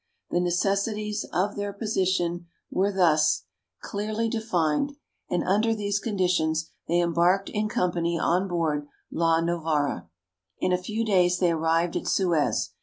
The necessities of their position were thus i33 MERIDIANA. clearly defined, and under these conditions they embarked in company on board " La Novara." In a few days they arrived at Suez.